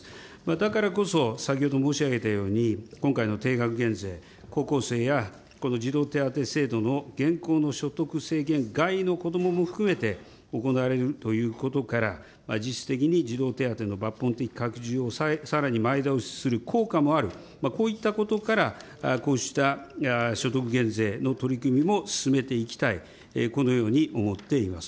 だからこそ先ほど申し上げたように、今回の定額減税、高校生やこの児童手当制度の現行の所得制限外の子どもも含めて、行われるということから、実質的に児童手当の抜本的拡充をさらに前倒しする効果もある、こういったことからこうした所得減税の取り組みも進めていきたい、このように思っています。